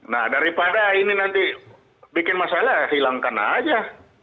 nah daripada ini nanti bikin masalah hilangkan aja